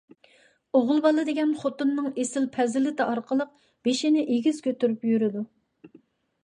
ئوغۇل بالا دېگەن خوتۇننىڭ ئېسىل پەزىلىتى ئارقىلىق بېشىنى ئېگىز كۆتۈرۈپ يۈرىدۇ.